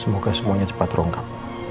semoga semuanya cepat ronggak